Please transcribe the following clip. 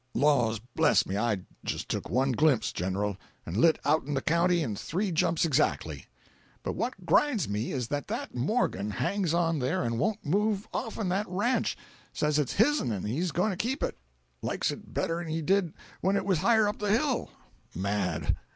Laws bless me, I just took one glimpse, General, and lit out'n the county in three jumps exactly. "But what grinds me is that that Morgan hangs on there and won't move off'n that ranch—says it's his'n and he's going to keep it—likes it better'n he did when it was higher up the hill. Mad!